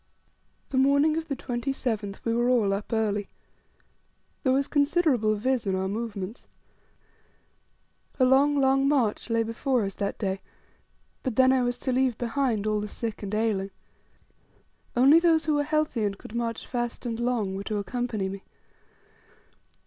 The morning of the 27th we were all up early: There was considerable vis in our movements. A long, long march lay before us that day; but then I was to leave behind all the sick and ailing. Only those who were healthy, and could march fast and long, were to accompany me.